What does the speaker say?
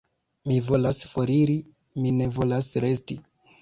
Mi volas foriri, mi ne volas resti.